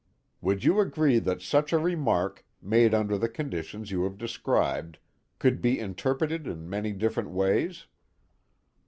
Would you agree that such a remark, made under the conditions you have described, could be interpreted in many different ways?"